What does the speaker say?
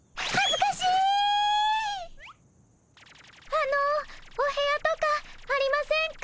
あのお部屋とかありませんか？